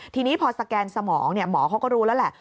ทีนี้พอสแกนสมองหมอเขาก็รู้แล้วแหละ